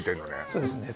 そうですね